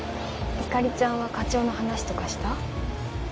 光莉ちゃんは課長の話とかした？